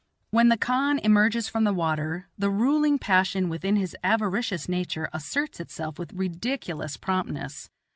When the khan emerges from the water, the ruling passion within his avaricious nature asserts itself with ridiculous promptness.